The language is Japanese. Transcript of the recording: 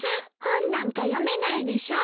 本なんか読めないでしょ。